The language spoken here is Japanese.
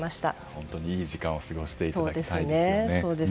本当にいい時間を過ごしていただきたいですね。